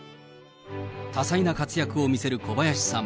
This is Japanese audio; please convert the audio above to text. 多彩な活躍を見せる小林さん。